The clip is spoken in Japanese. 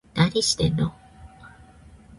何してんの